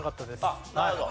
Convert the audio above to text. あっなるほど。